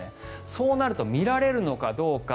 そうなると見られるのかどうか。